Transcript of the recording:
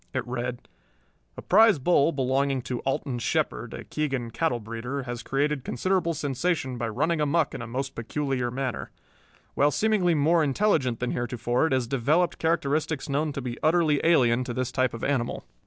It read: A prize bull belonging to Alton Shepard, a Keegan cattle breeder, has created considerable sensation by running amuck in a most peculiar manner. While seemingly more intelligent than heretofore, it has developed characteristics known to be utterly alien to this type of animal.